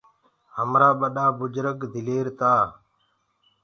همرآ ڀڏآ بُجرگ بهآدر تآ۔